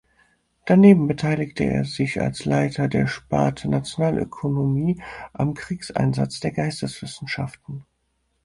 Daneben beteiligte er sich als Leiter der Sparte Nationalökonomie am Kriegseinsatz der Geisteswissenschaften.